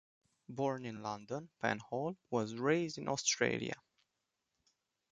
Born in London, Penhall was raised in Australia.